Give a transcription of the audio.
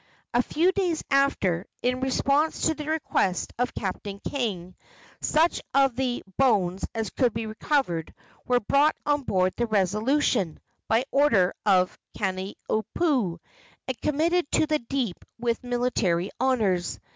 A few days after, in response to the request of Captain King, such of the bones as could be recovered were brought on board the Resolution, by order of Kalaniopuu, and committed to the deep with military honors.